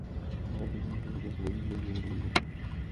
তারা রাসূলের দিকে হস্ত প্রসারিত করতে প্রতিযোগিতা করল।